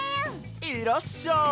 いらっしゃい。